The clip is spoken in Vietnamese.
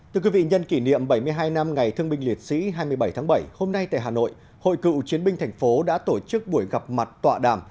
từ quý vị nhân kỷ niệm bảy mươi hai năm ngày thương binh liệt sĩ hai mươi bảy tháng bảy hôm nay tại hà nội hội cựu chiến binh thành phố đã tổ chức buổi gặp mặt tọa đàm